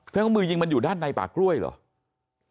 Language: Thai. ว่ามือยิงมันอยู่ด้านในป่ากล้วยเหรอ